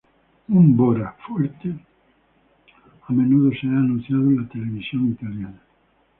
Un bora fuerte a menudo será anunciado en la televisión italiana.